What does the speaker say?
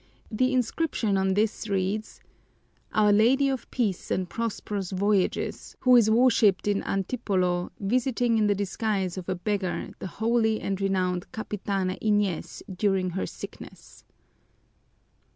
The inscription on this reads: "Our Lady of Peace and Prosperous Voyages, who is worshiped in Antipolo, visiting in the disguise of a beggar the holy and renowned Capitana Inez during her sickness."